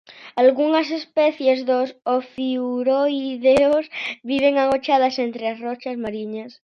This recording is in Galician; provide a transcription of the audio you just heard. Algunhas especies dos ofiuroideos viven agochadas entre as rochas mariñas.